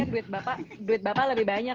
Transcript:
duit bapak lebih banyak